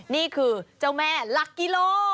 นี่คือเจ้าแม่หลักกิโล